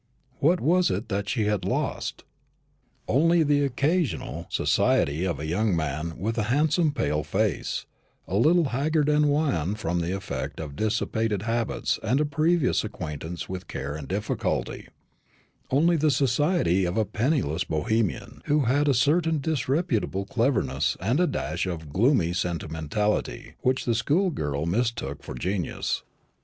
What was it that she had lost? Only the occasional society of a young man with a handsome pale face, a little haggard and wan from the effect of dissipated habits and a previous acquaintance with care and difficulty only the society of a penniless Bohemian who had a certain disreputable cleverness and a dash of gloomy sentimentality, which the schoolgirl mistook for genius.